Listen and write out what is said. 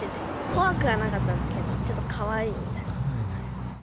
怖くはなかったですけど、ちょっとかわいいみたいな。